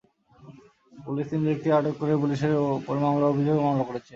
Police তিন ব্যক্তিকে আটক করে পুলিশের ওপর হামলার অভিযোগে মামলা করেছে।